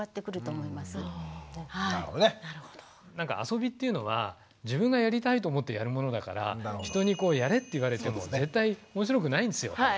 遊びっていうのは自分がやりたいと思ってやるものだから人にやれって言われても絶対おもしろくないんですよ。